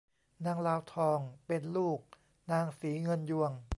นางลาวทองเป็นลูกนางศรีเงินยวง